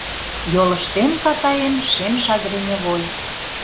Йолыштем катаэм шем шагреневой